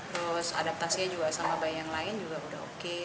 terus adaptasinya juga sama bayi yang lain juga udah oke